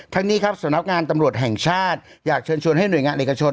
ทั้งนี้ครับสำนักงานตำรวจแห่งชาติอยากเชิญชวนให้หน่วยงานเอกชน